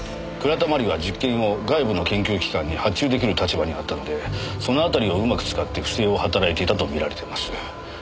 倉田真理は実験を外部の研究機関に発注出来る立場にあったのでその辺りをうまく使って不正を働いていたと見られています。